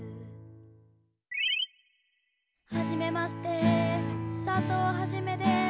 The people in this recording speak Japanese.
「はじめまして」「佐藤はじめです」